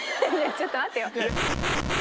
ちょっと待ってよ。